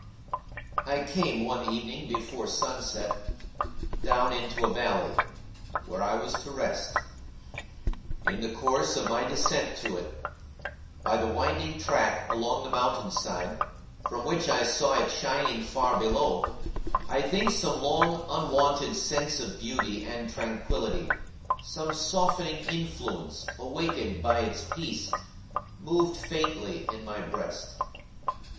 I came, one evening before sunset, down into a valley, where I was to rest. In the course of my descent to it, by the winding track along the mountain side, from which I saw it shining far below, I think some long unwonted sense of beauty and tranquillity, some softening influence awakened by its peace, moved faintly in my breast.